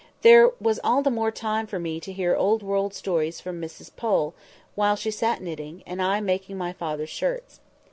There was all the more time for me to hear old world stories from Miss Pole, while she sat knitting, and I making my father's shirts.